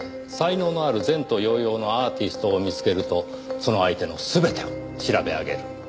才能のある前途洋々のアーティストを見つけるとその相手の全てを調べ上げる。